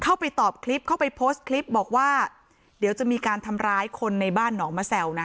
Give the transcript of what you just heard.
เข้าไปตอบคลิปเข้าไปโพสต์คลิปบอกว่าเดี๋ยวจะมีการทำร้ายคนในบ้านหนองมะแซวนะ